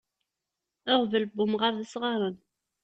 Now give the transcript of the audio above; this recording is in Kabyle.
Aɣbel n umɣaṛ d isɣaṛen.